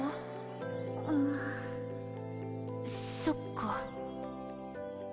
そっか。